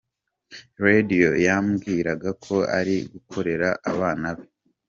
Radio yambwiraga ko ari gukorera abana be.